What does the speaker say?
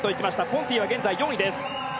ポンティは現在４位。